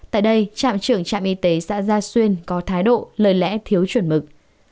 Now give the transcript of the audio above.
tại đây trạm trưởng trạm y tế xã gia xuyên có thái độ lời lẽ thiếu chuẩn mực